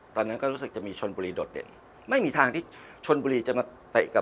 ตอนนั้นก็รู้สึกจะมีชนบุรีโดดเด่นไม่มีทางที่ชนบุรีจะมาเตะกับ